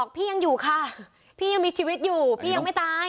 พี่ยังอยู่ค่ะพี่ยังมีชีวิตอยู่พี่ยังไม่ตาย